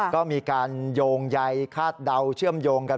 ก็มีการโยงใยคาดเดาเชื่อมโยงกัน